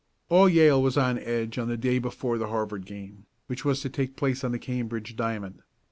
All Yale was on edge on the day before the Harvard game, which was to take place on the Cambridge diamond.